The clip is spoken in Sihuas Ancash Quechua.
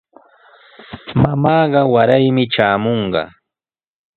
Mamaaqa waraymi traamunqa.